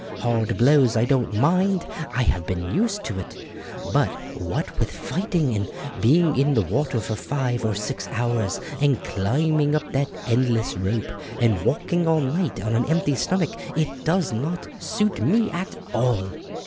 Hard blows I don't mind I have been used to it; but what with fighting, and being in the water for five or six hours, and climbing up that endless rope, and walking all night on an empty stomach, it does not suit me at all."